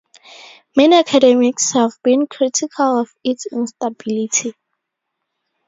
Many academics have been critical of its instability.